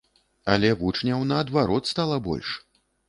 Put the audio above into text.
Але вучняў наадварот стала больш!